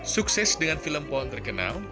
sukses dengan film pohon terkenal